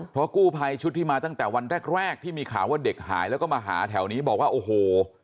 เพราะกู้ภัยชุดที่มาตั้งแต่วันแรกที่มีข่าวว่าเด็กหายแล้วก็มาหาแถวนี้บอกว่าโอ้โห